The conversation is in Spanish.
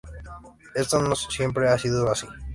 Esto no siempre ha sido así.